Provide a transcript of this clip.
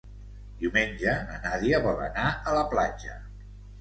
Diumenge na Nàdia vol anar a la platja.